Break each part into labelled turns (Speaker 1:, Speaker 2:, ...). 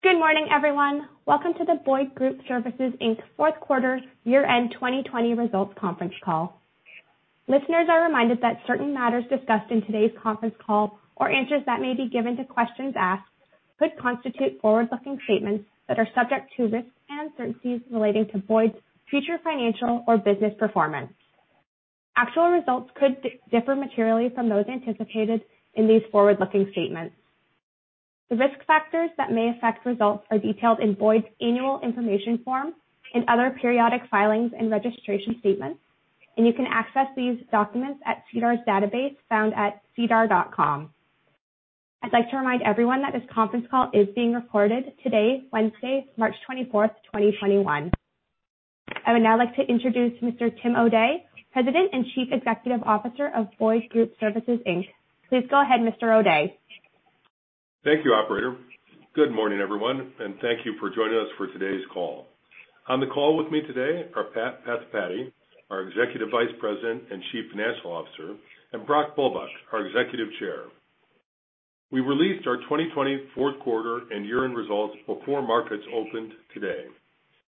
Speaker 1: Good morning, everyone. Welcome to the Boyd Group Services Inc.'s fourth quarter year-end 2020 results conference call. Listeners are reminded that certain matters discussed in today's conference call or answers that may be given to questions asked could constitute forward-looking statements that are subject to risks and uncertainties relating to Boyd's future financial or business performance. Actual results could differ materially from those anticipated in these forward-looking statements. The risk factors that may affect results are detailed in Boyd's annual information form and other periodic filings and registration statements, and you can access these documents at SEDAR's database found at SEDAR. I'd like to remind everyone that this conference call is being recorded today, Wednesday, March 24, 2021. I would now like to introduce Mr. Tim O'Day, President and Chief Executive Officer of Boyd Group Services Inc. Please go ahead, Mr. O'Day.
Speaker 2: Thank you, operator. Good morning, everyone, and thank you for joining us for today's call. On the call with me today are Pat Pathipati, our Executive Vice President and Chief Financial Officer, and Brock Bulbuck, our Executive Chair. We released our 2024 fourth quarter and year-end results before markets opened today.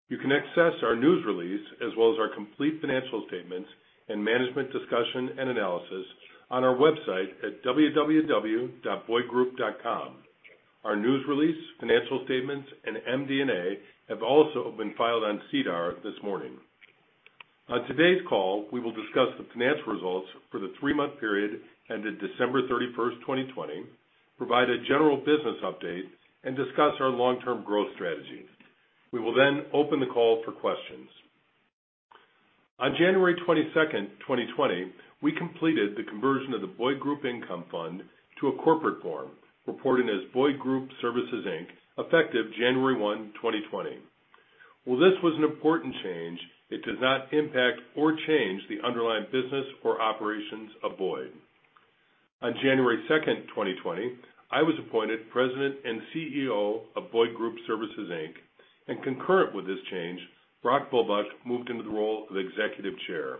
Speaker 2: You can access our news release as well as our complete financial statements and management discussion and analysis on our website at www.boydgroup.com. Our news release, financial statements, and MD&A have also been filed on SEDAR this morning. On today's call, we will discuss the financial results for the three-month period ended December 31, 2020, provide a general business update, and discuss our long-term growth strategy. We will then open the call for questions. On January 22, 2020, we completed the conversion of the Boyd Group Income Fund to a corporate form, reporting as Boyd Group Services Inc., effective January 1, 2020. While this was an important change, it does not impact or change the underlying business or operations of Boyd. On January 2, 2020, I was appointed President and CEO of Boyd Group Services Inc. Concurrent with this change, Brock Bulbuck moved into the role of Executive Chair.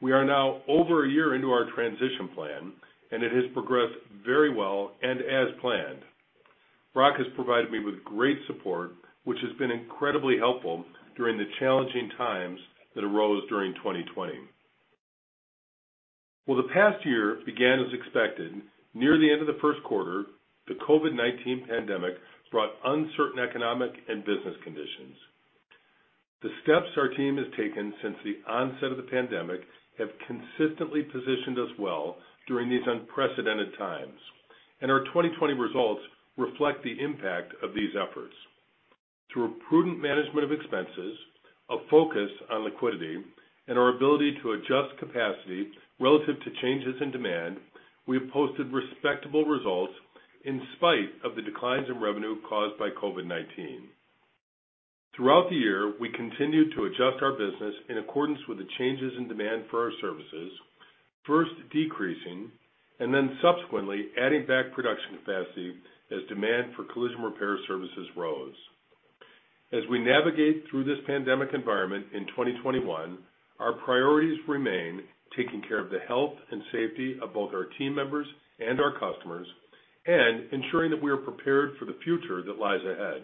Speaker 2: We are now over a year into our transition plan, and it has progressed very well and as planned. Brock has provided me with great support, which has been incredibly helpful during the challenging times that arose during 2020. While the past year began as expected, near the end of the first quarter, the COVID-19 pandemic brought uncertain economic and business conditions. The steps our team has taken since the onset of the pandemic have consistently positioned us well during these unprecedented times, and our 2020 results reflect the impact of these efforts. Through a prudent management of expenses, a focus on liquidity, and our ability to adjust capacity relative to changes in demand, we have posted respectable results in spite of the declines in revenue caused by COVID-19. Throughout the year, we continued to adjust our business in accordance with the changes in demand for our services, first decreasing and then subsequently adding back production capacity as demand for collision repair services rose. As we navigate through this pandemic environment in 2021, our priorities remain taking care of the health and safety of both our team members and our customers, and ensuring that we are prepared for the future that lies ahead.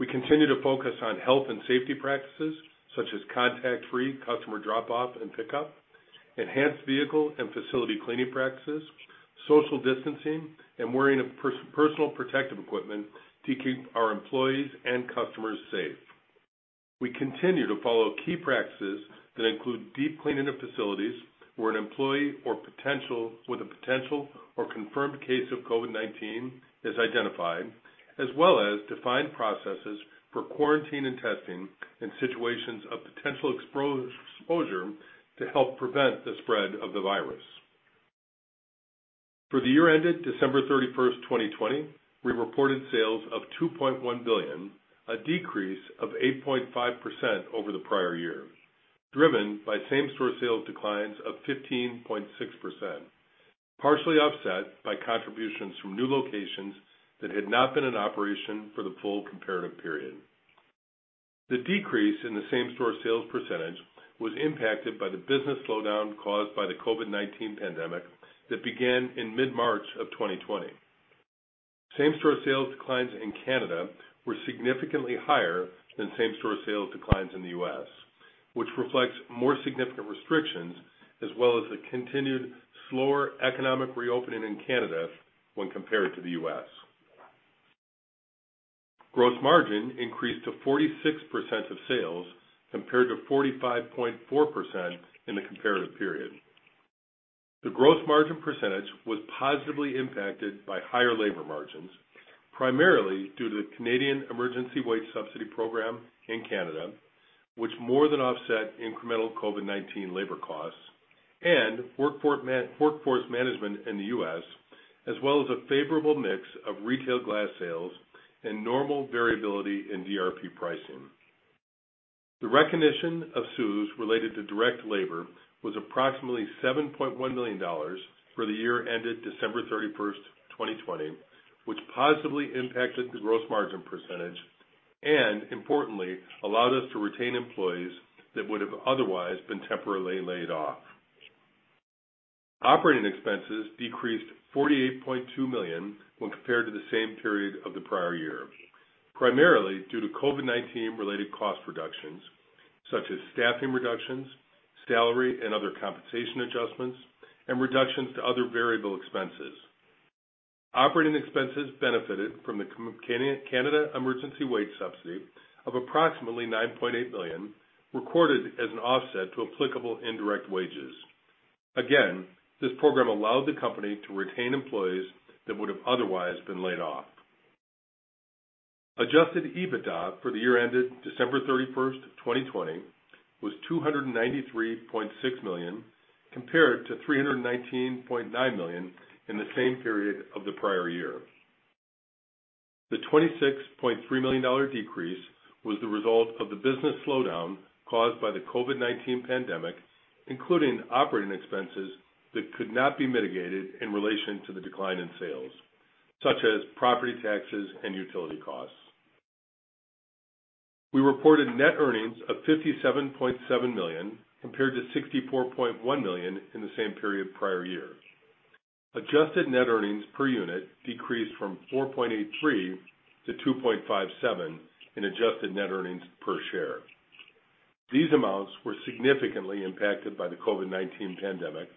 Speaker 2: We continue to focus on health and safety practices, such as contact-free customer drop-off and pickup, enhanced vehicle and facility cleaning practices, social distancing, and wearing of personal protective equipment to keep our employees and customers safe. We continue to follow key practices that include deep cleaning of facilities where an employee with a potential or confirmed case of COVID-19 is identified, as well as defined processes for quarantine and testing in situations of potential exposure to help prevent the spread of the virus. For the year ended December 31, 2020, we reported sales of 2.1 billion, a decrease of 8.5% over the prior year, driven by same-store sales declines of 15.6%, partially offset by contributions from new locations that had not been in operation for the full comparative period. The decrease in the same-store sales percentage was impacted by the business slowdown caused by the COVID-19 pandemic that began in mid-March 2020. Same-store sales declines in Canada were significantly higher than same-store sales declines in the U.S., which reflects more significant restrictions as well as the continued slower economic reopening in Canada when compared to the U.S. Gross margin increased to 46% of sales compared to 45.4% in the comparative period. The gross margin percentage was positively impacted by higher labor margins, primarily due to the Canada Emergency Wage Subsidy Program in Canada, which more than offset incremental COVID-19 labor costs and workforce management in the U.S. as well as a favorable mix of retail glass sales and normal variability in DRP pricing. The recognition of CEWS related to direct labor was approximately 7.1 million dollars for the year ended December 31st, 2020, which positively impacted the gross margin percentage and importantly allowed us to retain employees that would have otherwise been temporarily laid off. Operating expenses decreased 48.2 million when compared to the same period of the prior year, primarily due to COVID-19 related cost reductions such as staffing reductions, salary and other compensation adjustments, and reductions to other variable expenses. Operating expenses benefited from the Canada Emergency Wage Subsidy of approximately 9.8 million, recorded as an offset to applicable indirect wages. Again, this program allowed the company to retain employees that would have otherwise been laid off. Adjusted EBITDA for the year ended December 31, 2020 was CAD 293.6 million, compared to CAD 319.9 million in the same period of the prior year. The CAD 26.3 million decrease was the result of the business slowdown caused by the COVID-19 pandemic, including operating expenses that could not be mitigated in relation to the decline in sales, such as property taxes and utility costs. We reported net earnings of 57.7 million compared to 64.1 million in the same period prior year. Adjusted net earnings per unit decreased from 4.83 to 2.57 in adjusted net earnings per share. These amounts were significantly impacted by the COVID-19 pandemic,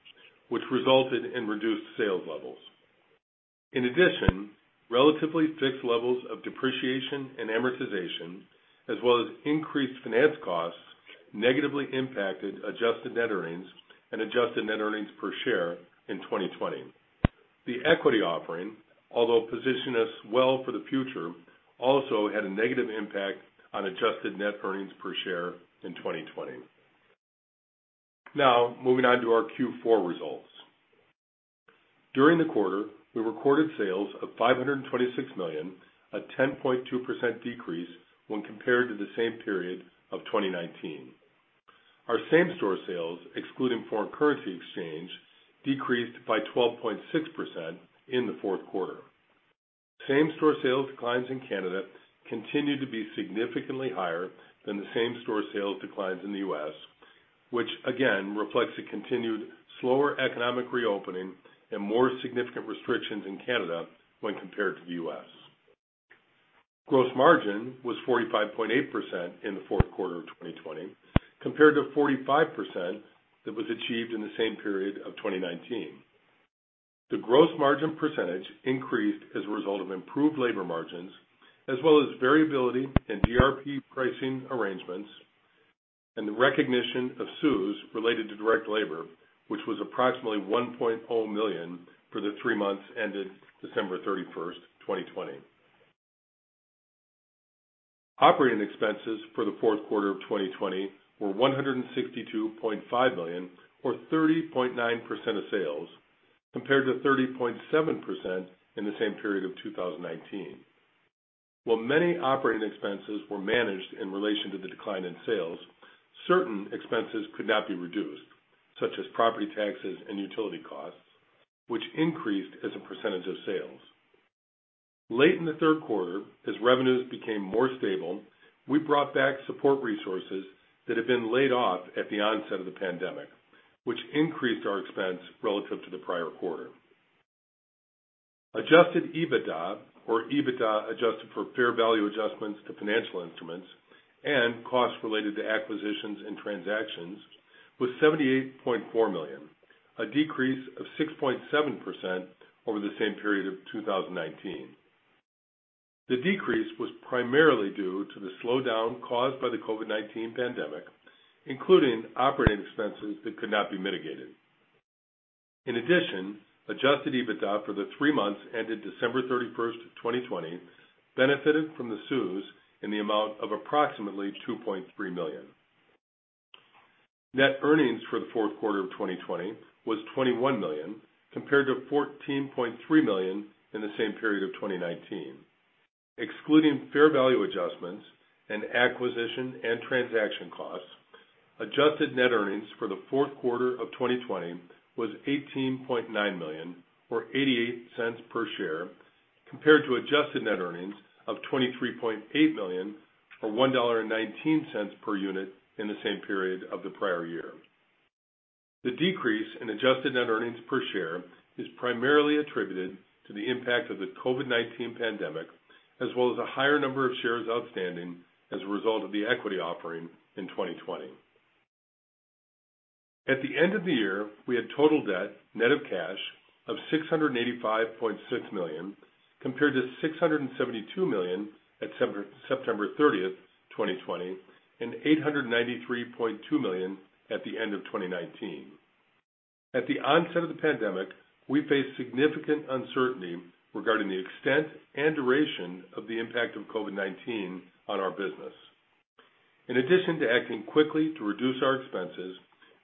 Speaker 2: which resulted in reduced sales levels. In addition, relatively fixed levels of depreciation and amortization, as well as increased finance costs, negatively impacted adjusted net earnings and adjusted net earnings per share in 2020. The equity offering, although positioned us well for the future, also had a negative impact on adjusted net earnings per share in 2020. Now, moving on to our Q4 results. During the quarter, we recorded sales of 526 million, a 10.2% decrease when compared to the same period of 2019. Our same-store sales, excluding foreign currency exchange, decreased by 12.6% in the fourth quarter. Same-store sales declines in Canada continued to be significantly higher than the same-store sales declines in the U.S., which again reflects a continued slower economic reopening and more significant restrictions in Canada when compared to the U.S. Gross margin was 45.8% in the fourth quarter of 2020, compared to 45% that was achieved in the same period of 2019. The gross margin percentage increased as a result of improved labor margins as well as variability in DRP pricing arrangements and the recognition of CEWS related to direct labor, which was approximately 1.0 million for the three months ended December 31, 2020. Operating expenses for the fourth quarter of 2020 were 162.5 million or 30.9% of sales, compared to 30.7% in the same period of 2019. While many operating expenses were managed in relation to the decline in sales, certain expenses could not be reduced, such as property taxes and utility costs, which increased as a percentage of sales. Late in the third quarter, as revenues became more stable, we brought back support resources that had been laid off at the onset of the pandemic, which increased our expense relative to the prior quarter. Adjusted EBITDA, or EBITDA adjusted for fair value adjustments to financial instruments and costs related to acquisitions and transactions, was 78.4 million, a decrease of 6.7% over the same period of 2019. The decrease was primarily due to the slowdown caused by the COVID-19 pandemic, including operating expenses that could not be mitigated. In addition, adjusted EBITDA for the three months ended December 31, 2020 benefited from the CEWS in the amount of approximately 2.3 million. Net earnings for the fourth quarter of 2020 was 21 million, compared to 14.3 million in the same period of 2019. Excluding fair value adjustments and acquisition and transaction costs, adjusted net earnings for the fourth quarter of 2020 was 18.9 million or 0.88 per share, compared to adjusted net earnings of 23.8 million or 1.19 dollar per unit in the same period of the prior year. The decrease in adjusted net earnings per share is primarily attributed to the impact of the COVID-19 pandemic, as well as a higher number of shares outstanding as a result of the equity offering in 2020. At the end of the year, we had total debt net of cash of 685.6 million, compared to 672 million at September 30, 2020, and 893.2 million at the end of 2019. At the onset of the pandemic, we faced significant uncertainty regarding the extent and duration of the impact of COVID-19 on our business. In addition to acting quickly to reduce our expenses,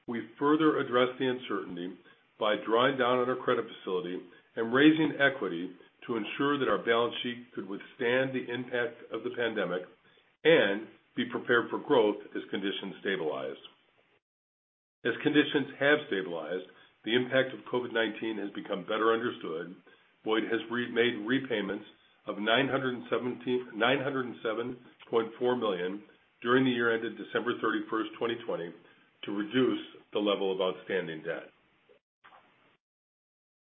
Speaker 2: we further addressed the uncertainty by drawing down on our credit facility and raising equity to ensure that our balance sheet could withstand the impact of the pandemic and be prepared for growth as conditions stabilized. As conditions have stabilized, the impact of COVID-19 has become better understood. Boyd has made repayments of 907.4 million during the year ended December 31, 2020 to reduce the level of outstanding debt.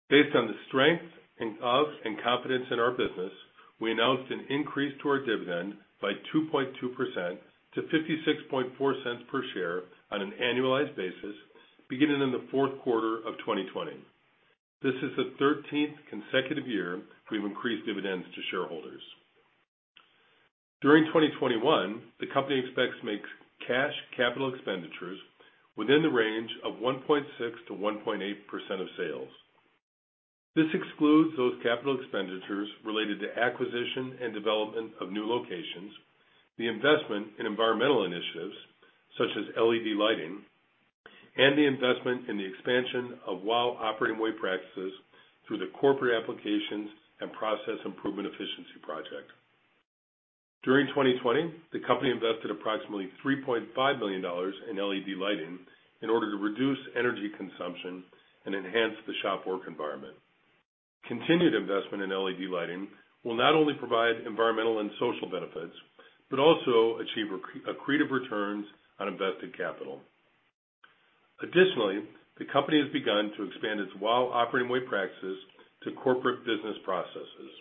Speaker 2: Based on the strength and confidence in our business, we announced an increase to our dividend by 2.2% to 0.564 per share on an annualized basis beginning in the fourth quarter of 2020. This is the 13th consecutive year we've increased dividends to shareholders. During 2021, the company expects to make cash capital expenditures within the range of 1.6%-1.8% of sales. This excludes those capital expenditures related to acquisition and development of new locations, the investment in environmental initiatives such as LED lighting, and the investment in the expansion of WOW Operating Way practices through the corporate applications and process improvement efficiency project. During 2020, the company invested approximately $3.5 million in LED lighting in order to reduce energy consumption and enhance the shop work environment. Continued investment in LED lighting will not only provide environmental and social benefits, but also achieve accretive returns on invested capital. Additionally, the company has begun to expand its WOW Operating Way practices to corporate business processes.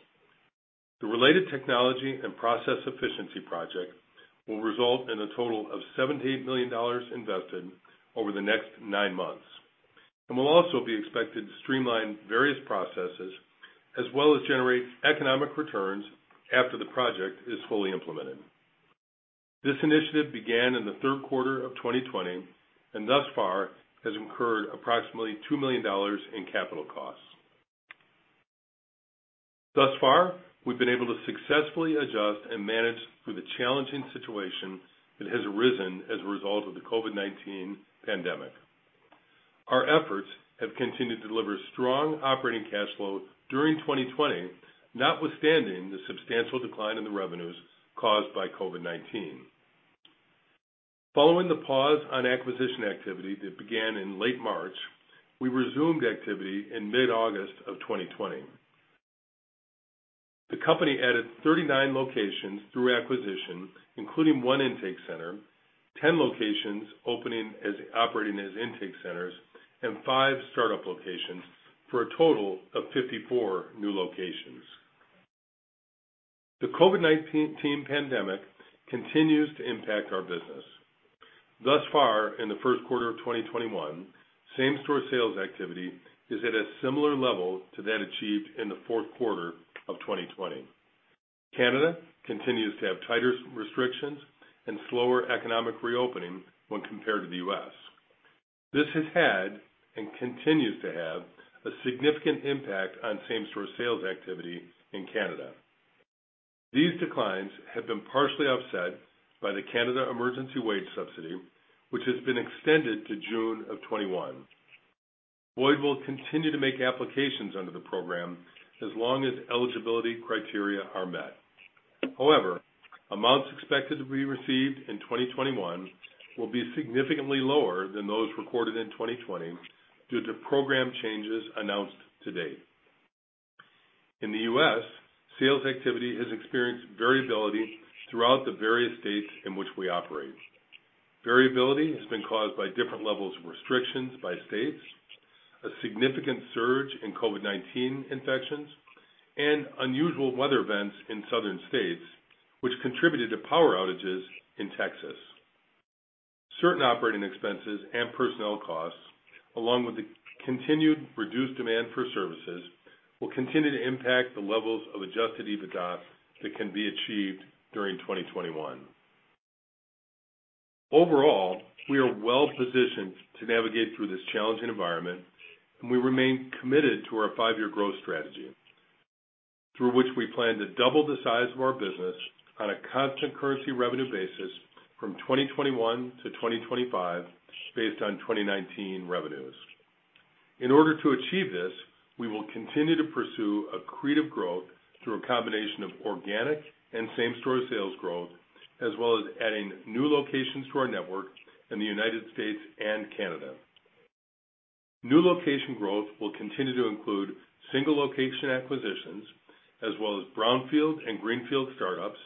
Speaker 2: The related technology and process efficiency project will result in a total of 78 million dollars invested over the next 9 months, and will also be expected to streamline various processes as well as generate economic returns after the project is fully implemented. This initiative began in the third quarter of 2020, and thus far has incurred approximately 2 million dollars in capital costs. Thus far, we've been able to successfully adjust and manage through the challenging situation that has arisen as a result of the COVID-19 pandemic. Our efforts have continued to deliver strong operating cash flow during 2020, notwithstanding the substantial decline in the revenues caused by COVID-19. Following the pause on acquisition activity that began in late March, we resumed activity in mid-August of 2020. The company added 39 locations through acquisition, including one intake center, 10 locations operating as intake centers, and five startup locations, for a total of 54 new locations. The COVID-19 pandemic continues to impact our business. Thus far in the first quarter of 2021, same-store sales activity is at a similar level to that achieved in the fourth quarter of 2020. Canada continues to have tighter restrictions and slower economic reopening when compared to the U.S. This has had, and continues to have, a significant impact on same-store sales activity in Canada. These declines have been partially offset by the Canada Emergency Wage Subsidy, which has been extended to June 2021. Boyd will continue to make applications under the program as long as eligibility criteria are met. However, amounts expected to be received in 2021 will be significantly lower than those recorded in 2020 due to program changes announced to date. In the U.S., sales activity has experienced variability throughout the various states in which we operate. Variability has been caused by different levels of restrictions by states, a significant surge in COVID-19 infections, and unusual weather events in southern states, which contributed to power outages in Texas. Certain operating expenses and personnel costs, along with the continued reduced demand for services, will continue to impact the levels of adjusted EBITDA that can be achieved during 2021. Overall, we are well-positioned to navigate through this challenging environment, and we remain committed to our five-year growth strategy, through which we plan to double the size of our business on a constant currency revenue basis from 2021 to 2025 based on 2019 revenues. In order to achieve this, we will continue to pursue accretive growth through a combination of organic and same-store sales growth, as well as adding new locations to our network in the United States and Canada. New location growth will continue to include single location acquisitions, as well as brownfield and greenfield startups,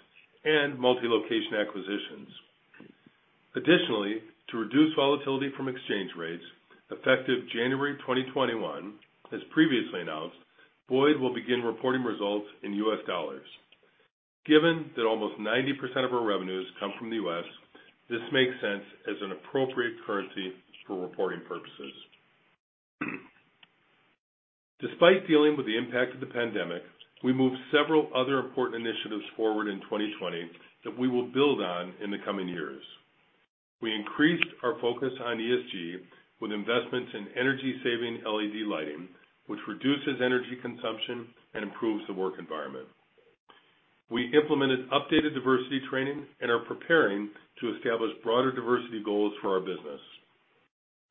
Speaker 2: and multi-location acquisitions. Additionally, to reduce volatility from exchange rates, effective January 2021, as previously announced, Boyd will begin reporting results in US dollars. Given that almost 90% of our revenues come from the US, this makes sense as an appropriate currency for reporting purposes. Despite dealing with the impact of the pandemic, we moved several other important initiatives forward in 2020 that we will build on in the coming years. We increased our focus on ESG with investments in energy-saving LED lighting, which reduces energy consumption and improves the work environment. We implemented updated diversity training and are preparing to establish broader diversity goals for our business.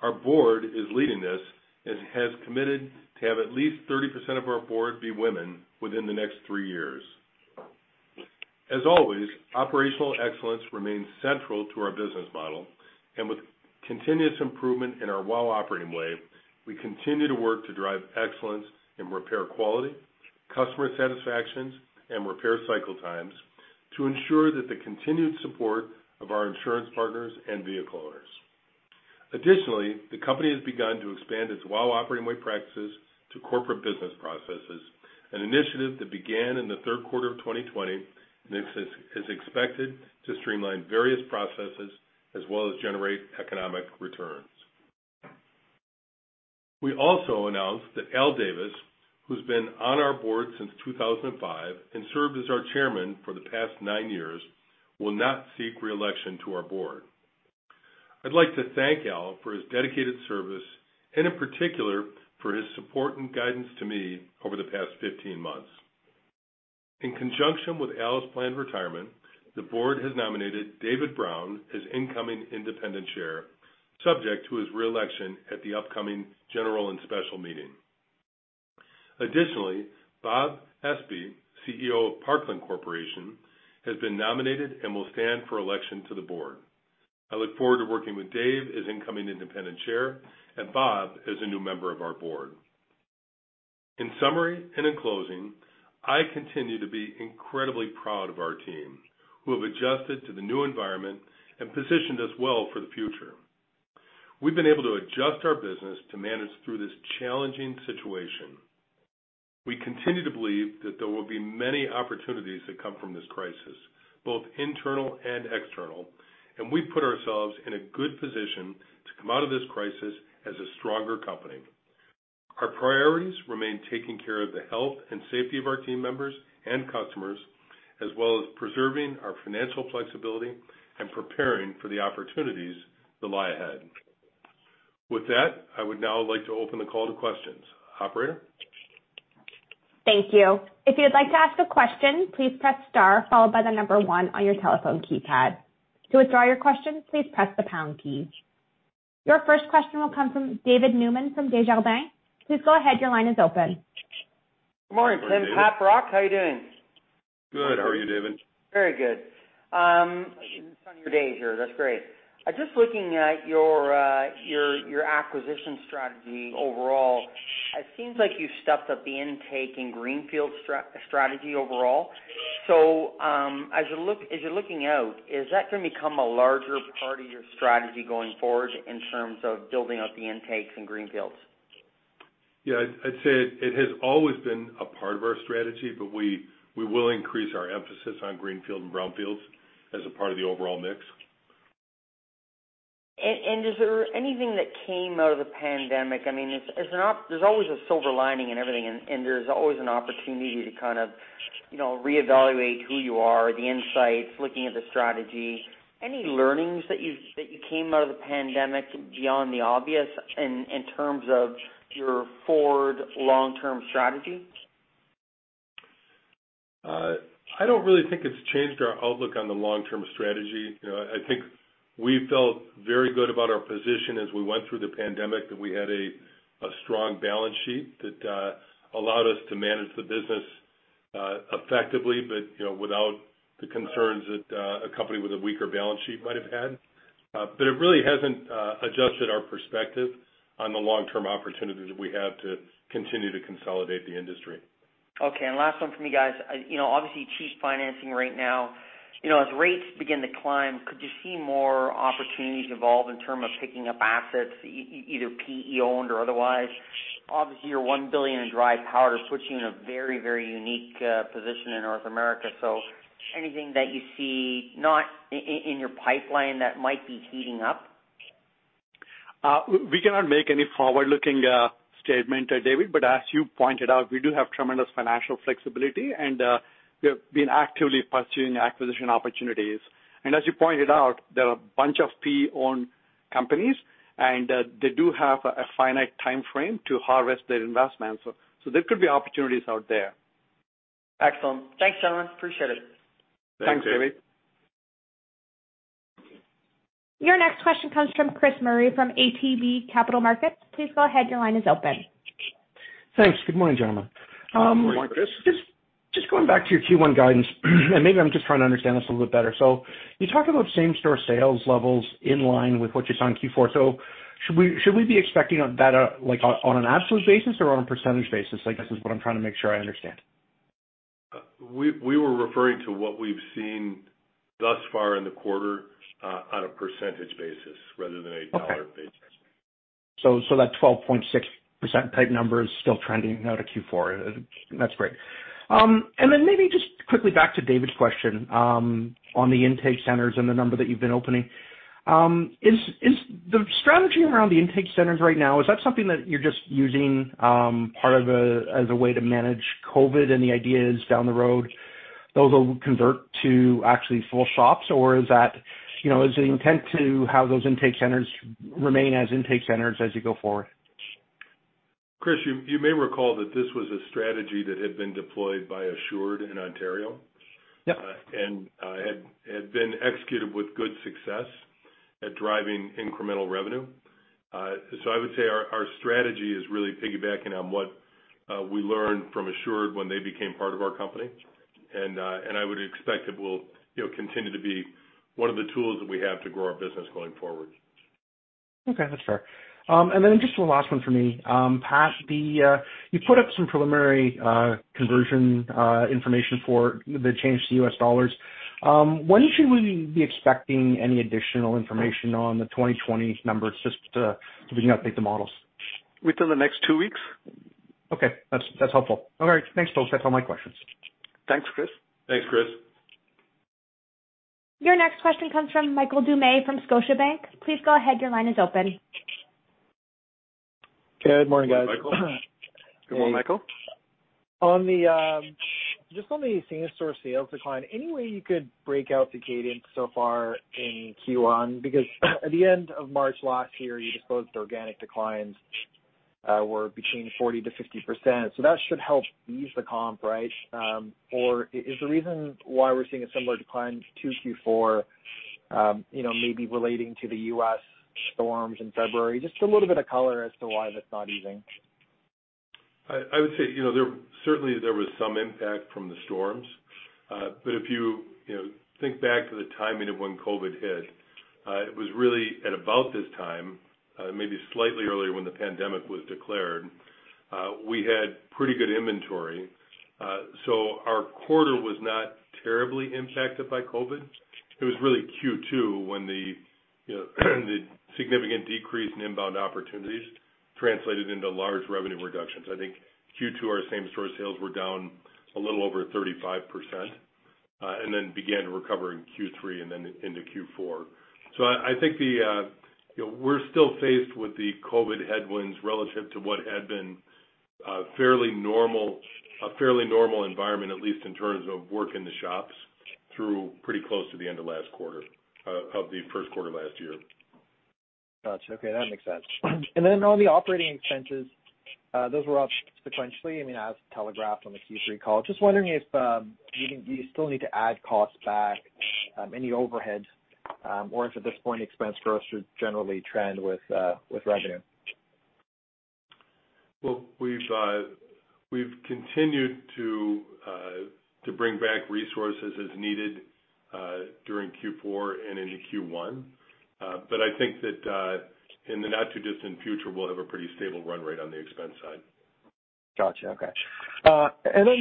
Speaker 2: Our board is leading this and has committed to have at least 30% of our board be women within the next 3 years. As always, operational excellence remains central to our business model. With continuous improvement in our WOW Operating Way, we continue to work to drive excellence in repair quality, customer satisfaction, and repair cycle times to ensure that the continued support of our insurance partners and vehicle owners. Additionally, the company has begun to expand its WOW Operating Way practices to corporate business processes, an initiative that began in the third quarter of 2020, and is expected to streamline various processes as well as generate economic returns. We also announced that Allan Davis, who's been on our board since 2005 and served as our chairman for the past 9 years, will not seek reelection to our board. I'd like to thank Allan for his dedicated service and in particular for his support and guidance to me over the past 15 months. In conjunction with Allan's planned retirement, the board has nominated David Brown as incoming Independent Chair, subject to his reelection at the upcoming general and special meeting. Additionally, Bob Espey, CEO of Parkland Corporation, has been nominated and will stand for election to the board. I look forward to working with David as incoming Independent Chair and Bob as a new member of our board. In summary and in closing, I continue to be incredibly proud of our team, who have adjusted to the new environment and positioned us well for the future. We've been able to adjust our business to manage through this challenging situation. We continue to believe that there will be many opportunities that come from this crisis, both internal and external, and we put ourselves in a good position to come out of this crisis as a stronger company. Our priorities remain taking care of the health and safety of our team members and customers, as well as preserving our financial flexibility and preparing for the opportunities that lie ahead. With that, I would now like to open the call to questions. Operator?
Speaker 1: Thank you. If you'd like to ask a question, please press star followed by the number 1 on your telephone keypad. To withdraw your question, please press the pound key. Your first question will come from David Newman from Desjardins. Please go ahead. Your line is open.
Speaker 3: Good morning. This is Patrick Buckley. How are you doing?
Speaker 2: Good. How are you, David?
Speaker 3: Very good. It's sunny day here. That's great. I'm just looking at your acquisition strategy overall. It seems like you've stepped up the intake and greenfield strategy overall. As you're looking out, is that gonna become a larger part of your strategy going forward in terms of building out the intakes and greenfields?
Speaker 2: Yeah. I'd say it has always been a part of our strategy, but we will increase our emphasis on greenfield and brownfields as a part of the overall mix.
Speaker 3: is there anything that came out of the pandemic? I mean, it's, there's always a silver lining in everything, and there's always an opportunity to kind of, you know, reevaluate who you are, the insights, looking at the strategy. Any learnings that you that you came out of the pandemic beyond the obvious in terms of your forward long-term strategy?
Speaker 2: I don't really think it's changed our outlook on the long-term strategy. You know, I think we felt very good about our position as we went through the pandemic, that we had a strong balance sheet that allowed us to manage the business effectively, but you know, without the concerns that a company with a weaker balance sheet might have had. It really hasn't adjusted our perspective on the long-term opportunity that we have to continue to consolidate the industry.
Speaker 3: Okay. Last one from you guys. You know, obviously, cheap financing right now. You know, as rates begin to climb, could you see more opportunities evolve in terms of picking up assets, either PE-owned or otherwise? Obviously, your 1 billion in dry powder puts you in a very, very unique position in North America. Anything that you see not in your pipeline that might be heating up?
Speaker 4: We cannot make any forward-looking statement, David. As you pointed out, we do have tremendous financial flexibility, and we have been actively pursuing acquisition opportunities. As you pointed out, there are a bunch of PE-owned companies, and they do have a finite timeframe to harvest their investments. There could be opportunities out there.
Speaker 3: Excellent. Thanks, gentlemen. Appreciate it.
Speaker 2: Thanks, David.
Speaker 1: Your next question comes from Chris Murray from ATB Capital Markets. Please go ahead. Your line is open.
Speaker 5: Thanks. Good morning, gentlemen.
Speaker 2: Good morning, Chris.
Speaker 5: Just going back to your Q1 guidance, and maybe I'm just trying to understand this a little bit better. You talk about same-store sales levels in line with what you saw in Q4. Should we be expecting that, like, on an absolute basis or on a percentage basis, I guess, is what I'm trying to make sure I understand.
Speaker 2: We were referring to what we've seen thus far in the quarter, on a percentage basis rather than a dollar basis.
Speaker 5: That 12.6% type number is still trending out of Q4. That's great. Then maybe just quickly back to David's question on the intake centers and the number that you've been opening. The strategy around the intake centers right now, is that something that you're just using as a way to manage COVID and the ideas down the road, those will convert to actually full shops? Or is that, you know, is the intent to have those intake centers remain as intake centers as you go forward?
Speaker 2: Chris, you may recall that this was a strategy that had been deployed by Assured in Ontario.
Speaker 5: Yep.
Speaker 2: It's been executed with good success at driving incremental revenue. I would say our strategy is really piggybacking on what we learned from Assured when they became part of our company. I would expect it will, you know, continue to be one of the tools that we have to grow our business going forward.
Speaker 5: Okay, that's fair. Just one last one for me. Pat, you put up some preliminary conversion information for the change to US dollars. When should we be expecting any additional information on the 2020 numbers just to update the models?
Speaker 4: Within the next two weeks.
Speaker 5: Okay. That's helpful. All right. Thanks, folks. That's all my questions.
Speaker 4: Thanks, Chris.
Speaker 2: Thanks, Chris.
Speaker 1: Your next question comes from Michael Doumet from Scotiabank. Please go ahead. Your line is open.
Speaker 6: Good morning, guys.
Speaker 2: Good morning, Michael.
Speaker 4: Good morning, Michael.
Speaker 6: Just on the same-store sales decline, any way you could break out the cadence so far in Q1? Because at the end of March last year, you disclosed organic declines were between 40%-50%. So that should help ease the comp, right? Or is the reason why we're seeing a similar decline to Q4, you know, maybe relating to the U.S. storms in February? Just a little bit of color as to why that's not easing.
Speaker 2: I would say, you know, there certainly was some impact from the storms. If you know, think back to the timing of when COVID hit, it was really at about this time, maybe slightly earlier when the pandemic was declared, we had pretty good inventory. Our quarter was not terribly impacted by COVID. It was really Q2 when the, you know, the significant decrease in inbound opportunities translated into large revenue reductions. I think Q2, our same-store sales were down a little over 35%, and then began to recover in Q3 and then into Q4. I think you know, we're still faced with the COVID headwinds relative to what had been a fairly normal environment, at least in terms of work in the shops through pretty close to the end of last quarter of the first quarter last year.
Speaker 6: Got you. Okay, that makes sense. On the operating expenses, those were up sequentially, I mean, as telegraphed on the Q3 call. Just wondering if you still need to add costs back, any overhead, or if at this point, expense growth should generally trend with revenue.
Speaker 2: Well, we've continued to bring back resources as needed during Q4 and into Q1. I think that in the not too distant future, we'll have a pretty stable run rate on the expense side.
Speaker 6: Got you. Okay.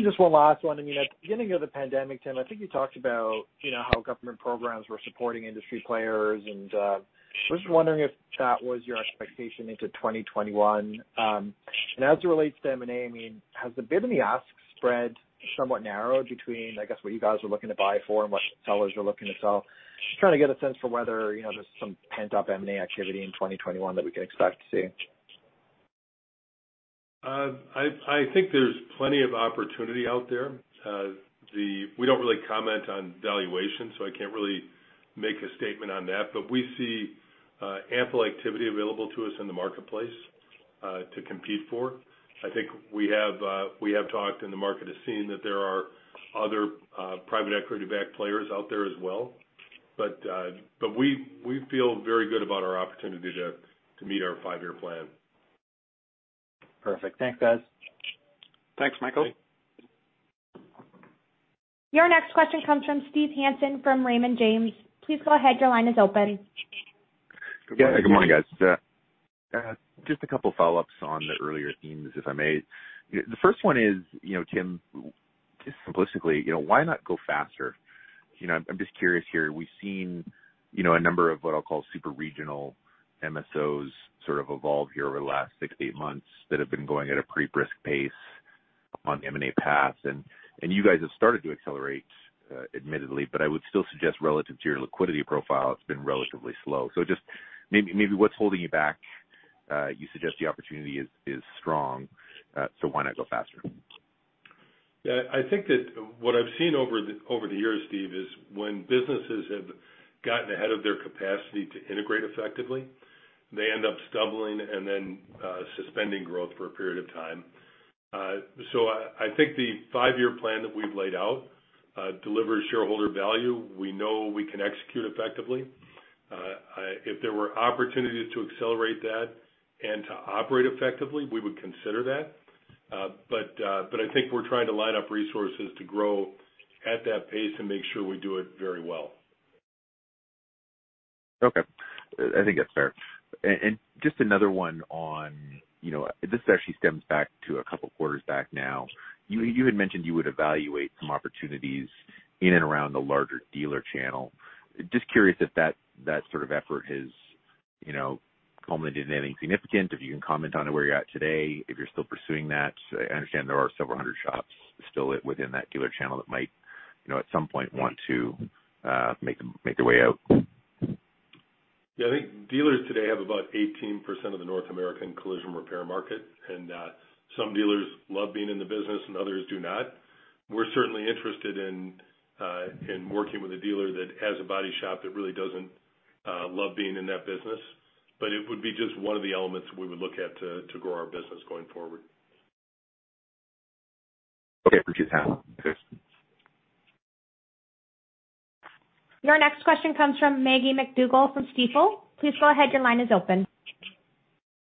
Speaker 6: Just one last one. I mean, at the beginning of the pandemic, Tim, I think you talked about, you know, how government programs were supporting industry players, and I'm just wondering if that was your expectation into 2021. As it relates to M&A, I mean, has the bid and the ask spread somewhat narrowed between, I guess, what you guys are looking to buy for and what sellers are looking to sell? Just trying to get a sense for whether, you know, there's some pent-up M&A activity in 2021 that we can expect to see.
Speaker 2: I think there's plenty of opportunity out there. We don't really comment on valuation, so I can't really make a statement on that. We see ample activity available to us in the marketplace to compete for. I think we have talked and the market has seen that there are other private equity backed players out there as well. We feel very good about our opportunity to meet our five-year plan.
Speaker 6: Perfect. Thanks, guys.
Speaker 2: Thanks, Michael.
Speaker 4: Thanks.
Speaker 1: Your next question comes from Steve Hansen from Raymond James. Please go ahead. Your line is open.
Speaker 7: Good morning, guys. Just a couple follow-ups on the earlier themes, if I may. The first one is, you know, Tim, just simplistically, you know, why not go faster? You know, I'm just curious here. We've seen, you know, a number of what I'll call super regional MSOs sort of evolve here over the last six to eight months that have been going at a pretty brisk pace on the M&A path. And you guys have started to accelerate, admittedly, but I would still suggest relative to your liquidity profile, it's been relatively slow. Just maybe what's holding you back? You suggest the opportunity is strong, so why not go faster?
Speaker 2: Yeah. I think that what I've seen over the years, Steve, is when businesses have gotten ahead of their capacity to integrate effectively, they end up stumbling and then suspending growth for a period of time. I think the five-year plan that we've laid out delivers shareholder value. We know we can execute effectively. If there were opportunities to accelerate that and to operate effectively, we would consider that. But I think we're trying to line up resources to grow at that pace and make sure we do it very well.
Speaker 7: Okay. I think that's fair. Just another one on, you know, this actually stems back to a couple of quarters back now. You had mentioned you would evaluate some opportunities in and around the larger dealer channel. Just curious if that sort of effort has, you know, culminated in anything significant, if you can comment on where you're at today, if you're still pursuing that. I understand there are several hundred shops still within that dealer channel that might, you know, at some point want to make their way out.
Speaker 2: Yeah. I think dealers today have about 18% of the North American collision repair market, and some dealers love being in the business and others do not. We're certainly interested in working with a dealer that has a body shop that really doesn't love being in that business, but it would be just one of the elements we would look at to grow our business going forward. Okay. Appreciate that one. Thanks.
Speaker 1: Your next question comes from Maggie MacDougall from Stifel. Please go ahead. Your line is open.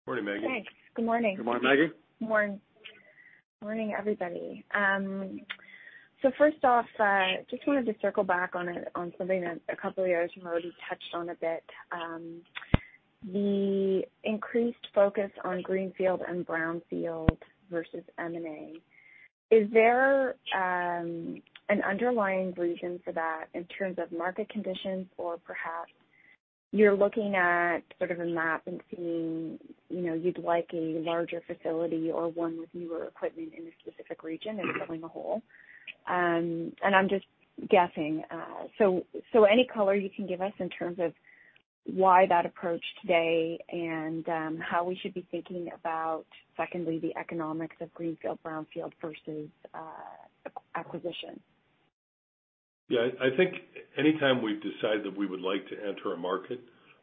Speaker 2: Morning, Maggie.
Speaker 8: Thanks. Good morning.
Speaker 2: Good morning, Maggie.
Speaker 8: Morning. Morning, everybody. First off, just wanted to circle back on something that a couple of you guys have already touched on a bit. The increased focus on greenfield and brownfield versus M&A. Is there, an underlying reason for that in terms of market conditions or perhaps you're looking at sort of a map and seeing, you know, you'd like a larger facility or one with newer equipment in a specific region and filling the hole? I'm just guessing. Any color you can give us in terms of why that approach today and, how we should be thinking about, secondly, the economics of greenfield/brownfield versus, acquisition.
Speaker 2: Yeah. I think anytime we've decided that we would like to enter a market,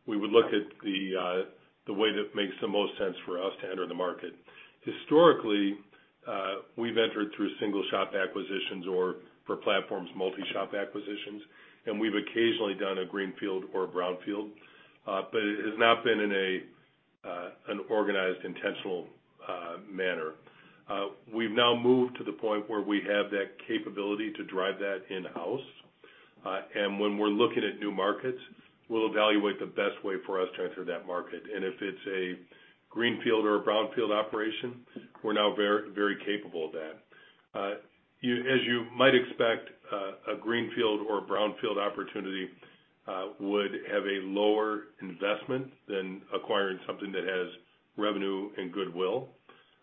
Speaker 2: we would look at the way that makes the most sense for us to enter the market. Historically, we've entered through single shop acquisitions or for platforms, multi-shop acquisitions, and we've occasionally done a greenfield or a brownfield, but it has not been in an organized, intentional manner. We've now moved to the point where we have that capability to drive that in-house. When we're looking at new markets, we'll evaluate the best way for us to enter that market. If it's a greenfield or a brownfield operation, we're now very capable of that. As you might expect, a greenfield or a brownfield opportunity would have a lower investment than acquiring something that has revenue and goodwill.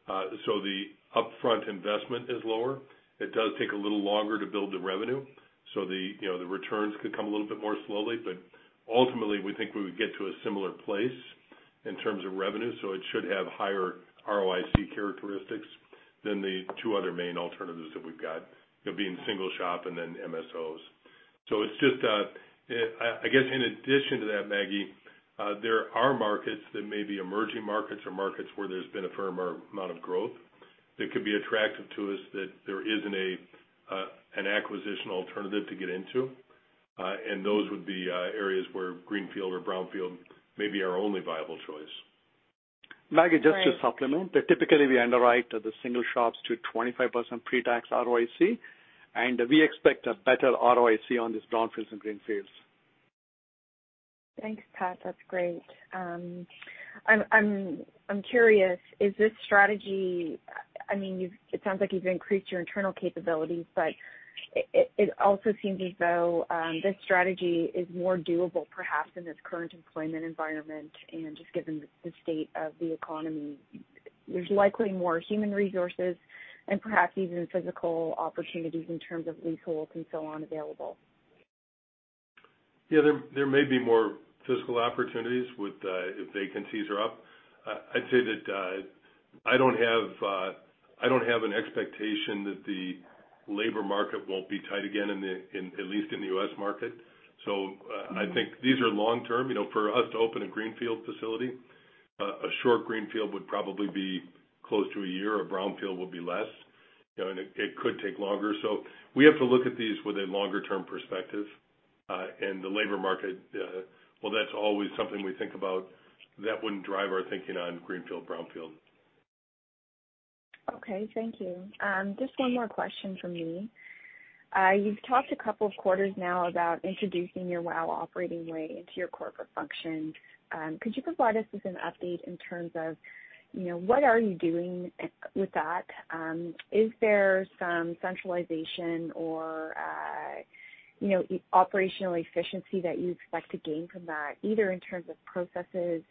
Speaker 2: The upfront investment is lower. It does take a little longer to build the revenue, so the, you know, the returns could come a little bit more slowly. Ultimately, we think we would get to a similar place in terms of revenue, so it should have higher ROIC characteristics than the two other main alternatives that we've got. It'll be in single shop and then MSOs. It's just, I guess in addition to that, Maggie, there are markets that may be emerging markets or markets where there's been a firm amount of growth that could be attractive to us that there isn't an acquisition alternative to get into. Those would be areas where greenfield or brownfield may be our only viable choice.
Speaker 8: Great.
Speaker 4: Maggie, just to supplement, that typically we underwrite the single shops to 25% pretax ROIC, and we expect a better ROIC on these brownfields and greenfields.
Speaker 8: Thanks, Pat. That's great. I'm curious, is this strategy, I mean, you've, it sounds like you've increased your internal capabilities, but it also seems as though this strategy is more doable perhaps in this current employment environment and just given the state of the economy. There's likely more human resources and perhaps even physical opportunities in terms of leasehold and so on available.
Speaker 2: Yeah. There may be more physical opportunities if vacancies are up. I'd say that I don't have an expectation that the labor market won't be tight again in at least the U.S. market. I think these are long-term. You know, for us to open a greenfield facility, a short greenfield would probably be close to a year. A brownfield would be less, you know, and it could take longer. We have to look at these with a longer-term perspective, and the labor market, well, that's always something we think about. That wouldn't drive our thinking on greenfield/brownfield.
Speaker 8: Okay. Thank you. Just one more question from me. You've talked a couple of quarters now about introducing your WOW Operating Way into your corporate functions. Could you provide us with an update in terms of, you know, what are you doing with that? Is there some centralization or, you know, operational efficiency that you expect to gain from that, either in terms of processes,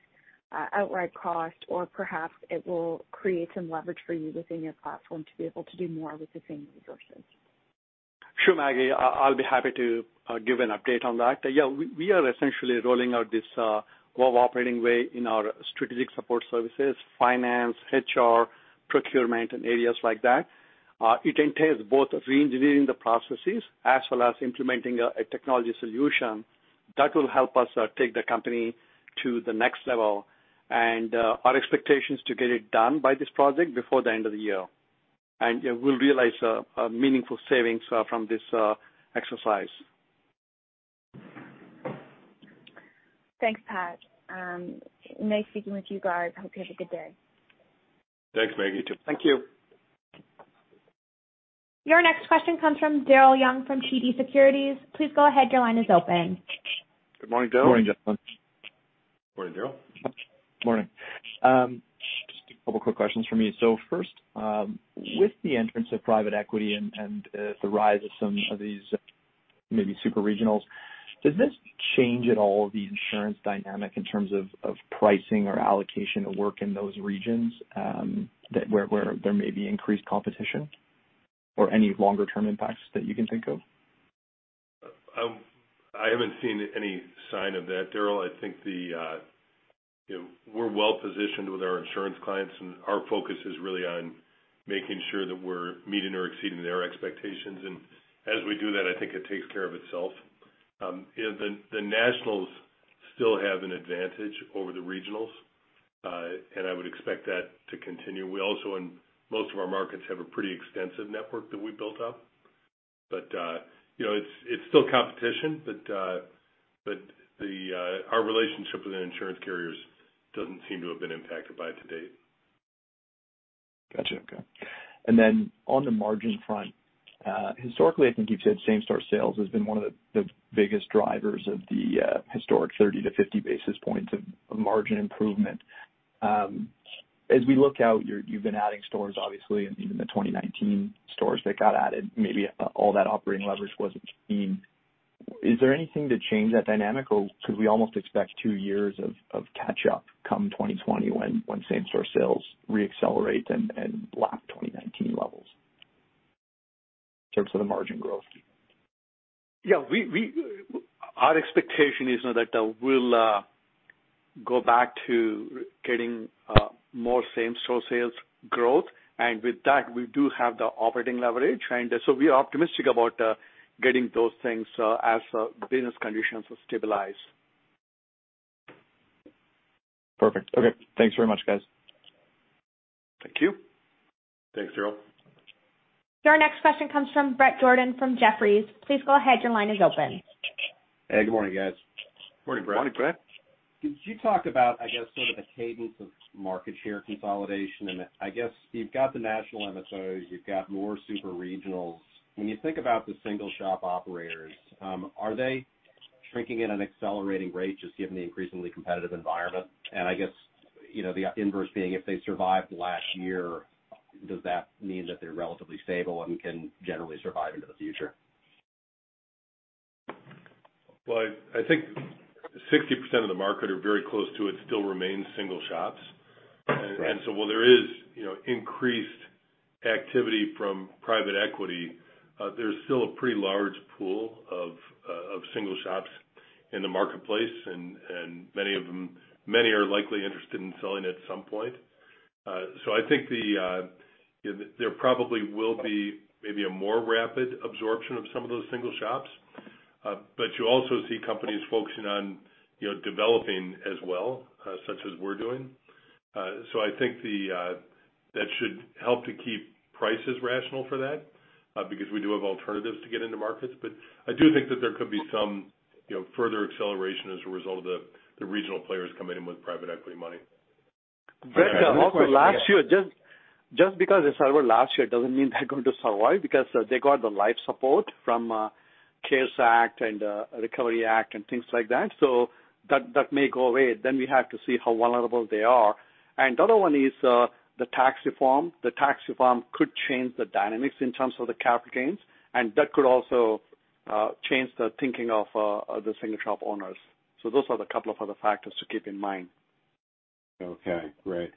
Speaker 8: outright cost, or perhaps it will create some leverage for you within your platform to be able to do more with the same resources?
Speaker 4: Sure, Maggie. I'll be happy to give an update on that. Yeah. We are essentially rolling out this WOW Operating Way in our strategic support services, finance, HR, procurement, and areas like that. It entails both reengineering the processes as well as implementing a technology solution that will help us take the company to the next level. Our expectation is to get it done by this project before the end of the year. Yeah, we'll realize a meaningful savings from this exercise.
Speaker 8: Thanks, Pat. Nice speaking with you guys. Hope you have a good day.
Speaker 2: Thanks, Maggie.
Speaker 4: Thank you.
Speaker 1: Your next question comes from Daryl Young from TD Securities. Please go ahead. Your line is open.
Speaker 2: Good morning, Daryl.
Speaker 9: Good morning, gentlemen.
Speaker 2: Morning, Daryl.
Speaker 9: Morning. Just a couple quick questions from me. First, with the entrance of private equity and the rise of some of these maybe super regionals, does this change at all the insurance dynamic in terms of pricing or allocation of work in those regions where there may be increased competition or any longer term impacts that you can think of?
Speaker 2: I haven't seen any sign of that, Darryl. I think that, you know, we're well positioned with our insurance clients, and our focus is really on making sure that we're meeting or exceeding their expectations. As we do that, I think it takes care of itself. You know, the nationals still have an advantage over the regionals, and I would expect that to continue. We also, in most of our markets, have a pretty extensive network that we built up. You know, it's still competition, but our relationship with the insurance carriers doesn't seem to have been impacted by it to date.
Speaker 9: Gotcha. Okay. Then on the margin front, historically, I think you've said same-store sales has been one of the biggest drivers of the historic 30-50 basis points of margin improvement. As we look out, you've been adding stores, obviously, and even the 2019 stores that got added, maybe all that operating leverage wasn't seen. Is there anything to change that dynamic, or could we almost expect two years of catch-up come 2020 when same-store sales re-accelerate and lap 2019 levels in terms of the margin growth?
Speaker 4: Yeah. Our expectation is now that we'll go back to getting more same-store sales growth. With that, we do have the operating leverage. We are optimistic about getting those things as business conditions stabilize.
Speaker 9: Perfect. Okay. Thanks very much, guys.
Speaker 4: Thank you.
Speaker 2: Thanks, Daryl.
Speaker 1: Your next question comes from Bret Jordan from Jefferies. Please go ahead. Your line is open.
Speaker 10: Hey, good morning, guys.
Speaker 4: Good morning, Bret.
Speaker 2: Morning, Bret.
Speaker 10: Could you talk about, I guess, sort of the cadence of market share consolidation? I guess you've got the national MSOs, you've got more super regionals. When you think about the single shop operators, are they shrinking at an accelerating rate just given the increasingly competitive environment? I guess, you know, the inverse being, if they survived last year, does that mean that they're relatively stable and can generally survive into the future?
Speaker 2: Well, I think 60% of the market or very close to it still remains single shops.
Speaker 10: Right.
Speaker 2: While there is, you know, increased activity from private equity, there's still a pretty large pool of single shops in the marketplace, and many of them are likely interested in selling at some point. I think there probably will be maybe a more rapid absorption of some of those single shops. You also see companies focusing on, you know, developing as well, such as we're doing. I think that should help to keep prices rational for that, because we do have alternatives to get into markets. I do think that there could be some, you know, further acceleration as a result of the regional players coming in with private equity money.
Speaker 4: Brett, also last year, just because they survived last year doesn't mean they're going to survive because they got the life support from CARES Act and Recovery Act and things like that. That may go away. We have to see how vulnerable they are. The other one is the tax reform. The tax reform could change the dynamics in terms of the capital gains, and that could also change the thinking of the single shop owners. Those are the couple of other factors to keep in mind.
Speaker 10: Okay. Great.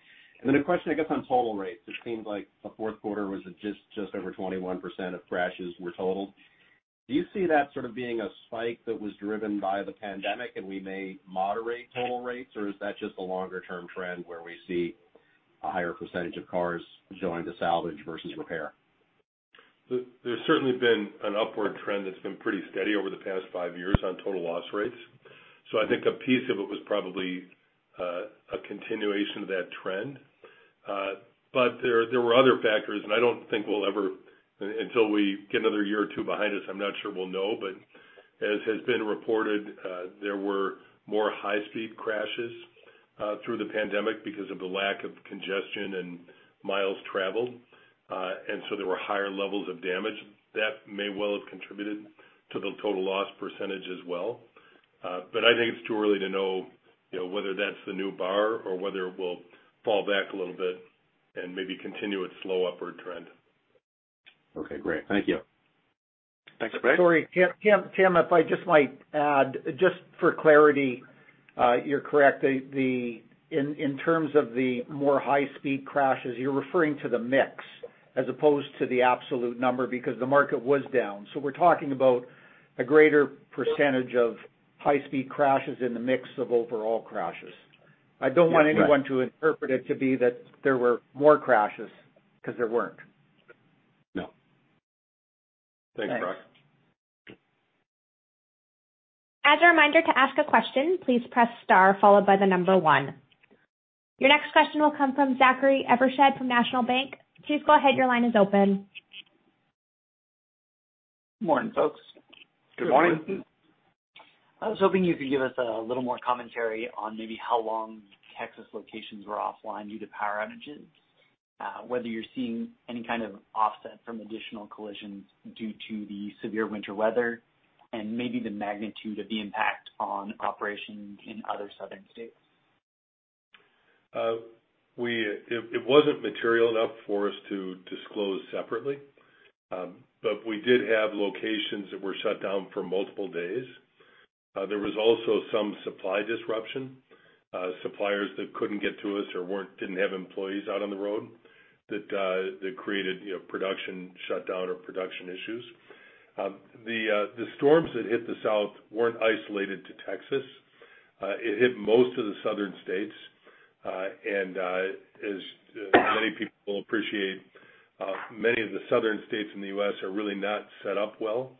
Speaker 10: A question, I guess, on total rates. It seems like the fourth quarter was just over 21% of crashes were totaled. Do you see that sort of being a spike that was driven by the pandemic and we may moderate total rates, or is that just a longer-term trend where we see a higher percentage of cars going to salvage versus repair?
Speaker 2: There's certainly been an upward trend that's been pretty steady over the past five years on total loss rates. I think a piece of it was probably a continuation of that trend. There were other factors, and I don't think, until we get another year or two behind us, I'm not sure we'll know. As has been reported, there were more high-speed crashes through the pandemic because of the lack of congestion and miles traveled. There were higher levels of damage. That may well have contributed to the total loss percentage as well. I think it's too early to know, you know, whether that's the new bar or whether we'll fall back a little bit and maybe continue its slow upward trend.
Speaker 10: Okay, great. Thank you.
Speaker 4: Thanks, Bret.
Speaker 11: Sorry, Tim, if I just might add, just for clarity, you're correct. In terms of the more high-speed crashes, you're referring to the mix as opposed to the absolute number because the market was down. We're talking about a greater percentage of high-speed crashes in the mix of overall crashes. I don't want anyone to interpret it to be that there were more crashes, because there weren't.
Speaker 2: No. Thanks, Bret.
Speaker 1: As a reminder, to ask a question, please press star followed by the number one. Your next question will come from Zachary Evershed from National Bank Financial. Please go ahead. Your line is open.
Speaker 12: Morning, folks. Good morning.
Speaker 2: Good morning.
Speaker 12: I was hoping you could give us a little more commentary on maybe how long Texas locations were offline due to power outages, whether you're seeing any kind of offset from additional collisions due to the severe winter weather, and maybe the magnitude of the impact on operations in other southern states?
Speaker 2: It wasn't material enough for us to disclose separately. We did have locations that were shut down for multiple days. There was also some supply disruption, suppliers that couldn't get to us or didn't have employees out on the road that created, you know, production shutdown or production issues. The storms that hit the South weren't isolated to Texas. It hit most of the southern states. As many people appreciate, many of the southern states in the U.S. are really not set up well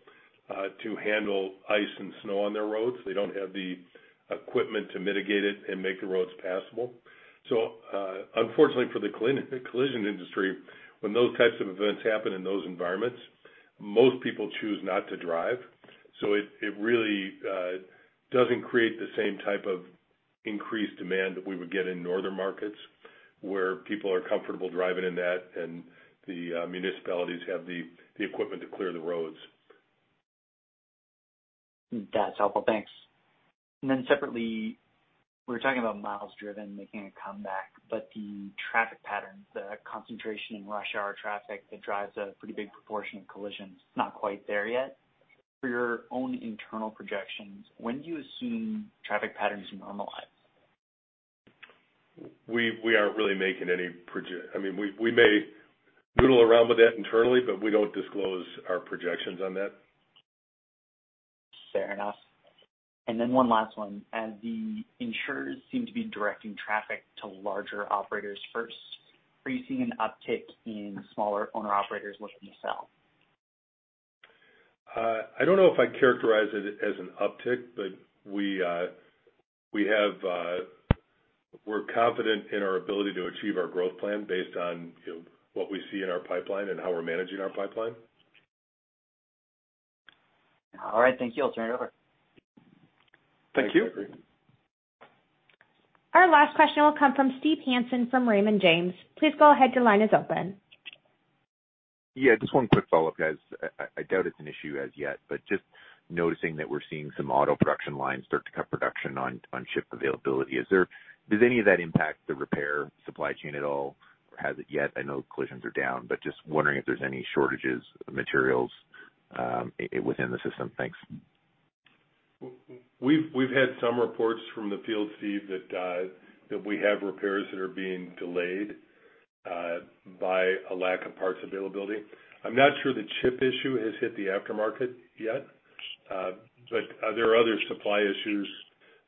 Speaker 2: to handle ice and snow on their roads. They don't have the equipment to mitigate it and make the roads passable. Unfortunately for the collision industry, when those types of events happen in those environments, most people choose not to drive. It really doesn't create the same type of increased demand that we would get in northern markets, where people are comfortable driving in that and the municipalities have the equipment to clear the roads.
Speaker 12: That's helpful. Thanks. Separately, we were talking about miles driven making a comeback, but the traffic patterns, the concentration in rush hour traffic that drives a pretty big proportion of collisions is not quite there yet. For your own internal projections, when do you assume traffic patterns normalize?
Speaker 2: I mean, we may noodle around with that internally, but we don't disclose our projections on that.
Speaker 12: Fair enough. One last one. As the insurers seem to be directing traffic to larger operators first, are you seeing an uptick in smaller owner-operators looking to sell?
Speaker 2: I don't know if I'd characterize it as an uptick, but we're confident in our ability to achieve our growth plan based on, you know, what we see in our pipeline and how we're managing our pipeline.
Speaker 12: All right. Thank you. I'll turn it over.
Speaker 2: Thank you.
Speaker 1: Our last question will come from Steve Hansen from Raymond James. Please go ahead, your line is open.
Speaker 7: Yeah, just one quick follow-up, guys. I doubt it's an issue as yet, but just noticing that we're seeing some auto production lines start to cut production on chip availability. Does any of that impact the repair supply chain at all? Or has it yet? I know collisions are down, but just wondering if there's any shortages of materials within the system. Thanks.
Speaker 2: We've had some reports from the field, Steve, that we have repairs that are being delayed by a lack of parts availability. I'm not sure the chip issue has hit the aftermarket yet. There are other supply issues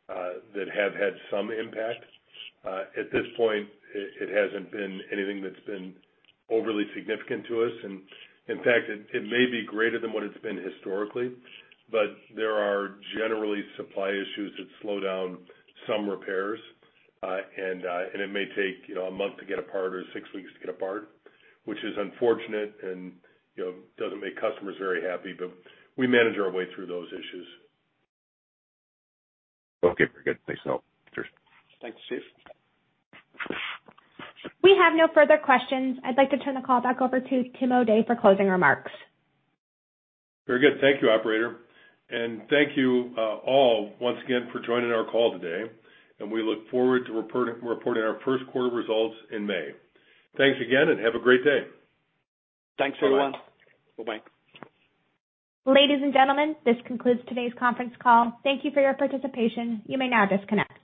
Speaker 2: that have had some impact. At this point, it hasn't been anything that's been overly significant to us. In fact, it may be greater than what it's been historically, but there are generally supply issues that slow down some repairs. It may take, you know, a month to get a part or six weeks to get a part, which is unfortunate and, you know, doesn't make customers very happy, but we manage our way through those issues.
Speaker 7: Okay, very good. Thanks for help. Cheers.
Speaker 2: Thanks, Steve.
Speaker 1: We have no further questions. I'd like to turn the call back over to Tim O'Day for closing remarks.
Speaker 2: Very good. Thank you, operator. Thank you, all once again for joining our call today, and we look forward to reporting our first quarter results in May. Thanks again, and have a great day.
Speaker 4: Thanks, everyone. Bye-bye.
Speaker 1: Ladies and gentlemen, this concludes today's conference call. Thank you for your participation. You may now disconnect.